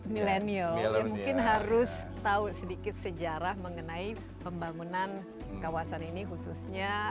milenial yang mungkin harus tahu sedikit sejarah mengenai pembangunan kawasan ini khususnya